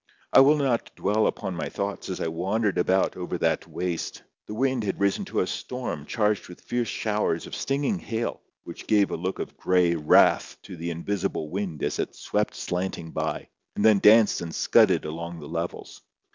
I will not dwell upon my thoughts as I wandered about over that waste. The wind had risen to a storm charged with fierce showers of stinging hail, which gave a look of gray wrath to the invisible wind as it swept slanting by, and then danced and scudded along the levels.